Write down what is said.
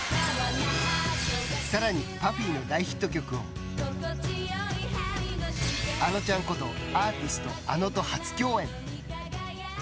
さらに、ＰＵＦＦＹの大ヒット曲をあのちゃんことアーティスト・ａｎｏと初共演。